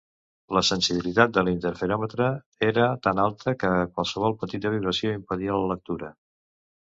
La sensibilitat de l'interferòmetre era tan alta que qualsevol petita vibració impedia la lectura.